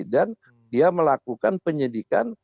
dan dia melakukan penyelidikan